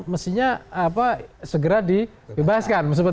mestinya segera dibebaskan